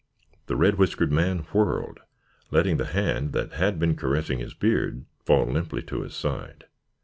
The red whiskered man whirled, letting the hand that had been caressing his beard fall limply to his side.